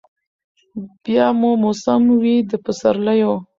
بیا به موسم وي د پسرلیو